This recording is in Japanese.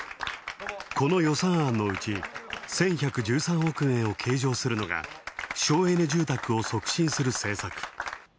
この予算案のうち、１１１３億円を計上するのが省エネ住宅を促進する政策。